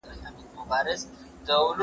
موږ باید د خپلو تولیداتو ملاتړ وکړو.